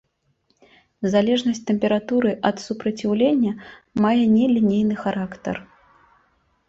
Залежнасць тэмпературы ад супраціўлення мае нелінейны характар.